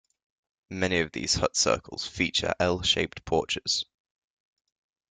Many of these hut circles feature L-shaped porches.